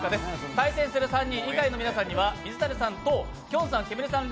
対戦する３人以外の皆さんには水谷さんときょんさんケムリさん